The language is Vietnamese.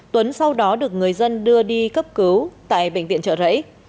tuấn sau đó được người dân đưa đi cấp cứu tại bệnh viện trợ rẫy